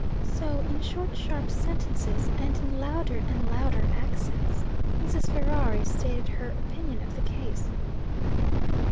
So, in short sharp sentences, and in louder and louder accents, Mrs. Ferrari stated her opinion of the case.